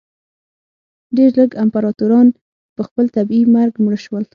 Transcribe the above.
ډېر لږ امپراتوران په خپل طبیعي مرګ مړه شول.